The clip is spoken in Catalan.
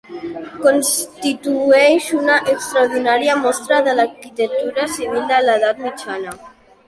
Constitueix una extraordinària mostra de l'arquitectura civil de l'edat mitjana.